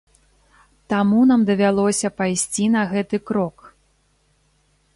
Таму нам давялося пайсці на гэты крок.